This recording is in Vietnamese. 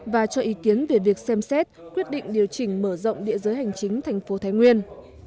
và cho ý kiến về việc xem xét quyết định điều chỉnh mở rộng địa giới hành chính thành phố thái nguyên